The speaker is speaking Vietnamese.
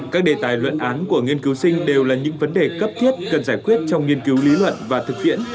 các đề tài luận án của nghiên cứu sinh đều là những vấn đề cấp thiết cần giải quyết trong nghiên cứu lý luận và thực tiễn